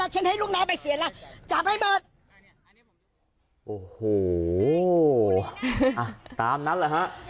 โอโหตามนั้นนะฮะ